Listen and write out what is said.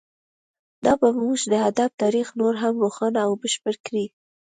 دا به زموږ د ادب تاریخ نور هم روښانه او بشپړ کړي